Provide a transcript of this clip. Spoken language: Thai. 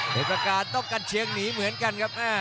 เป็นประการต้องกันเชียงหนีเหมือนกันครับ